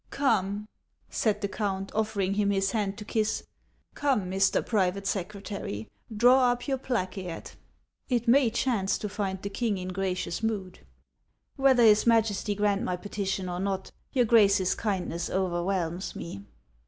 "Come," said the count, offering him his hand to kiss, " come, Mr. Private Secretary, draw up your placeat ! It may chance to find the king in gracious mood." " Whether his Majesty grant my petition or not, your Grace's kindness overwhelms me."